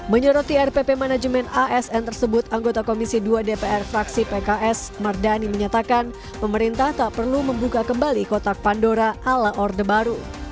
menyoroti rpp manajemen asn tersebut anggota komisi dua dpr fraksi pks mardani menyatakan pemerintah tak perlu membuka kembali kotak pandora ala orde baru